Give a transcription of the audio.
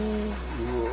うわ。